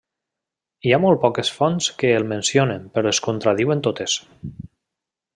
Hi ha molt poques fonts que el mencionen però es contradiuen totes.